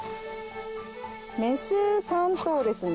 メス３頭ですね。